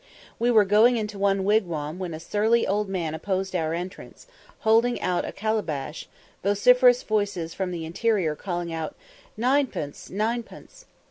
We were going into one wigwam when a surly old man opposed our entrance, holding out a calabash, vociferous voices from the interior calling out, "Ninepence, ninepence!"